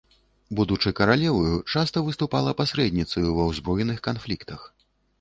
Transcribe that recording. Будучы каралеваю, часта выступала пасрэдніцаю ва ўзброеных канфліктах.